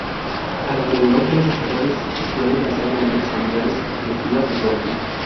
Alrededor de los asadores se suelen hacer reuniones familiares y festivas de todo tipo.